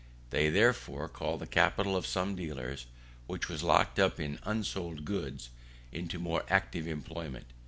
They, therefore, call the capital of some dealers, which was locked up in unsold goods, into more active employment.